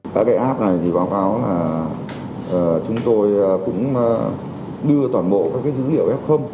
tại cái app này thì báo cáo là chúng tôi cũng đưa toàn bộ các dữ liệu f